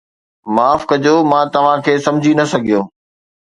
معاف ڪجو، مان توهان کي سمجهي نه سگهيو